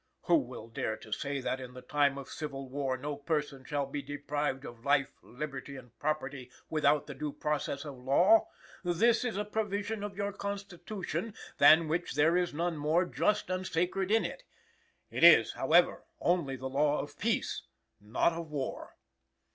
"Who will dare to say that in the time of civil war no person shall be deprived of life, liberty and property, without due process of law? This is a provision of your Constitution, than which there is none more just and sacred in it; it is, however, only the law of peace, not of war.